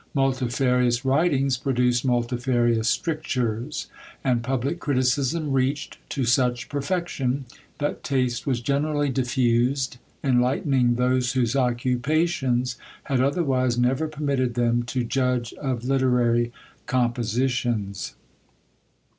Multifarious writings produced multifarious strictures; and public criticism reached to such perfection, that taste was generally diffused, enlightening those whose occupations had otherwise never permitted them to judge of literary compositions.